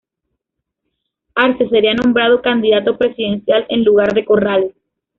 Arce sería nombrado candidato presidencial en lugar de Corrales.